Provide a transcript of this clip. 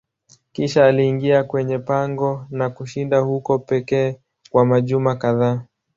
Kisha aliingia kwenye pango na kushinda huko pekee kwa majuma kadhaa.